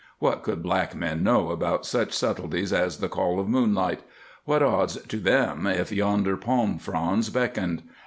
What could black men know about such subtleties as the call of moonlight? What odds to them if yonder palm fronds beckoned?